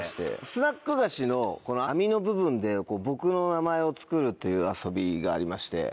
スナック菓子の網の部分で僕の名前を作るという遊びがありまして。